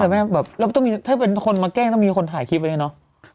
แบบถ้าเป็นคนมาแกล้งต้องมีคนถ่ายคลิปไว้เนอะ